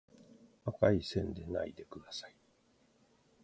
赤い線でないでください